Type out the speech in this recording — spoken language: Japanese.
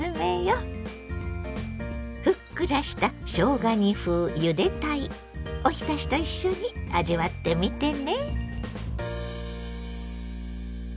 ふっくらしたしょうが煮風ゆで鯛おひたしと一緒に味わってみてね。